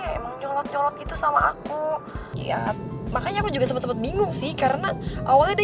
emang nyolot nyolot gitu sama aku iya makanya aku juga sempet sempet bingung sih karena awalnya dia